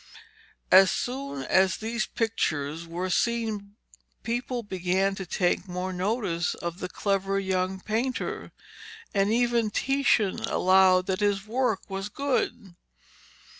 As soon as these pictures were seen people began to take more notice of the clever young painter, and even Titian allowed that his work was good.